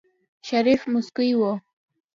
شريف موسکی و.